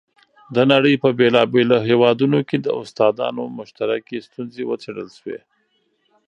د نړۍ په بېلابېلو هېوادونو کې د استادانو مشترکې ستونزې وڅېړل شوې.